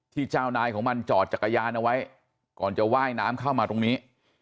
เจ้านายของมันจอดจักรยานเอาไว้ก่อนจะว่ายน้ำเข้ามาตรงนี้